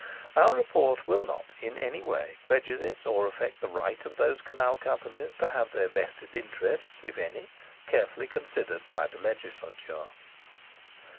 Our Report will not, in any way, prejudice or affect the right of those Canal Companies to have their vested interests, if any, carefully considered by the Legislature.